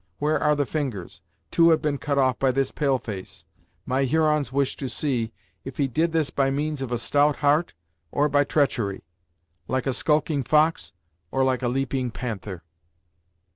Where are the fingers? Two have been cut off by this pale face; my Hurons wish to see if he did this by means of a stout heart, or by treachery. Like a skulking fox, or like a leaping panther."